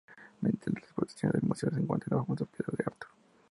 Entre las exposiciones del museo se encuentra la famosa piedra de Arthur.